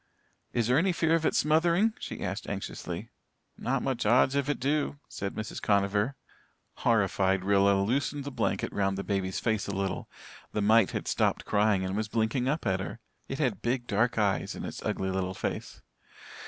"Is there any fear of it smothering?" she asked anxiously. "Not much odds if it do," said Mrs. Conover. Horrified Rilla loosened the blanket round the baby's face a little. The mite had stopped crying and was blinking up at her. It had big dark eyes in its ugly little face.